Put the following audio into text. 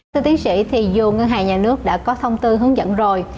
thưa tiến sĩ dù ngân hàng nhà nước đã có thông tin hướng dẫn rồi